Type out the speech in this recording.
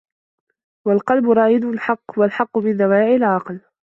وَالْقَلْبَ رَائِدُ الْحَقِّ وَالْحَقَّ مِنْ دَوَاعِي الْعَقْلِ